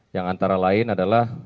yang antara lain adalah